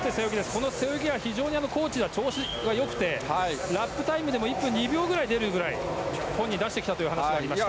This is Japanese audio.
この背泳ぎは非常に高地では調子が良くてラップタイムでも１分２秒ぐらい出るぐらい本人出してきたという話がありました。